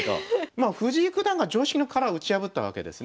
まあ藤井九段が常識の殻打ち破ったわけですね。